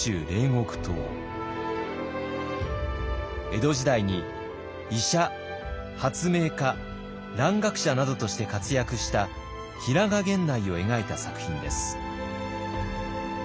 江戸時代に医者発明家蘭学者などとして活躍した平賀源内を描いた作品です。